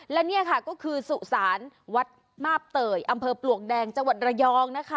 และนี่ค่ะก็คือสุสานวัดมาบเตยอำเภอปลวกแดงจังหวัดระยองนะคะ